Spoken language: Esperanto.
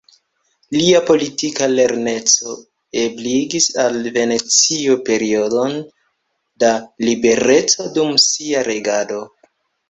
Lia politika lerteco ebligis al Venecio periodon da libereco dum sia regado.